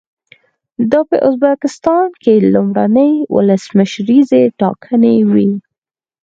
دا په ازبکستان کې لومړنۍ ولسمشریزې ټاکنې وې.